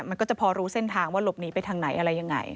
มันก็จะพอรู้เส้นทางว่าหลบหนีไปทางไหนอะไรยังไง